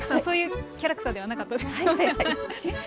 そういうキャラクターではなかったですよね。